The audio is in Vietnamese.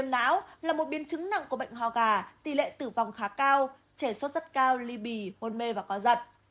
trẻ suất rất cao li bì hôn mê và có giật